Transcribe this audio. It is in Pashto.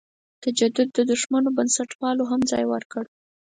تجدد دښمنو بنسټپالو هم ځای ورکړ.